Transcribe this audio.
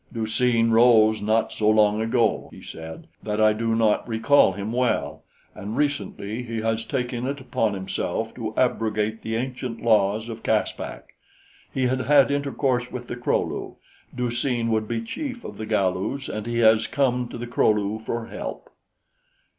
"Du seen rose not so long ago," he said, "that I do not recall him well, and recently he has taken it upon himself to abrogate the ancient laws of Caspak; he had had intercourse with the Kro lu. Du seen would be chief of the Galus, and he has come to the Kro lu for help."